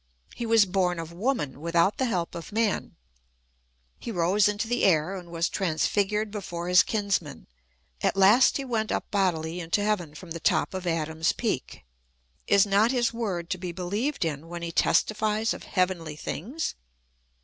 He was born of woman without the help of man ; he rose into the air and was transfigured before his kinsmen ; at last he went up bodily into heaven from the top of Adam's Peak. Is not his word to be beheved in when he testifies of heavenly things